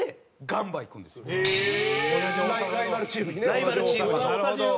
ライバルチームにね